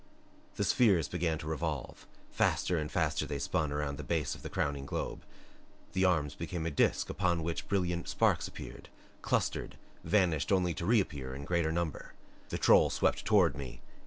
The spheres began to revolve. Faster and faster they spun around the base of the crowning globe; the arms became a disc upon which tiny brilliant sparks appeared, clustered, vanished only to reappear in greater number. The troll swept toward me.